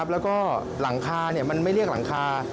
แล้วก็หลังคามันไม่เรียกหลังคา